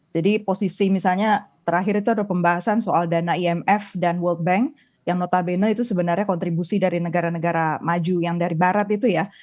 jadi posisi misalnya terakhir itu ada pembahasan soal dana imf dan world bank yang notabene itu sebenarnya kontribusi dari negara negara maju yang dari barat itu ya